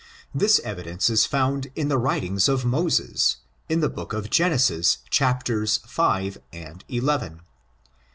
This evidence is found in the writings of Moses, in the book of Genesis, chapters Jive and eleven.